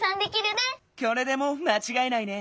これでもうまちがえないね。